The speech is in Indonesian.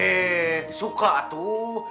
eh suka tuh